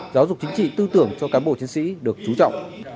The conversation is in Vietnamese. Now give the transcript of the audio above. giáo dục chính trị tư tưởng cho cán bộ chiến sĩ được trú trọng